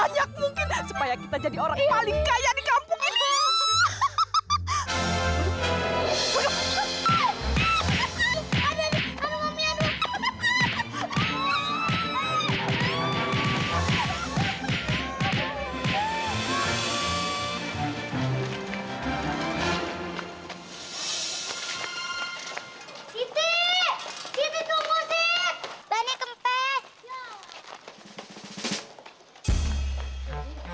sampai jumpa di video yang akan datang